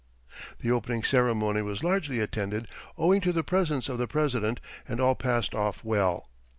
The opening ceremony was largely attended owing to the presence of the President and all passed off well.